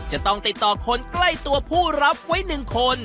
จะต้องติดต่อคนใกล้ตัวผู้รับไว้๑คน